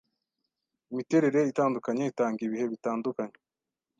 Imiterere itandukanye itanga ibihe bitandukanye